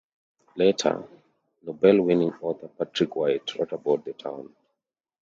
Later, Nobel winning author Patrick White wrote about the town.